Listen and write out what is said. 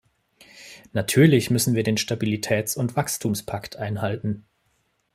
Natürlich müssen wir den Stabilitäts- und Wachstumspakt einhalten.